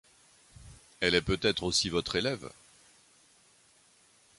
Elle est peut-être aussi votre élève ?